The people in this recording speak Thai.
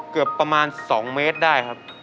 เกือบประมาณ๒เมตรได้ครับ